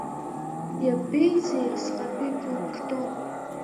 Иабеизеи асҟатәи планктон!